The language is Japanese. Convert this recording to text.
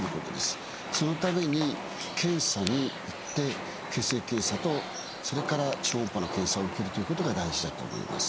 そのために検査に行って血液検査とそれから超音波の検査を受けるということが大事だと思います。